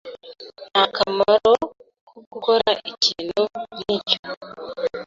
Nta kamaro ko gukora ikintu nkicyo.